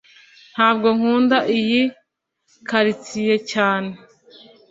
Ntabwo nkunda iyi quartiers cyane